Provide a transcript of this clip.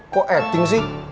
kok acting sih